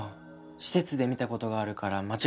施設で見た事があるから間違いない。